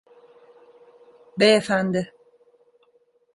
Beyefendi…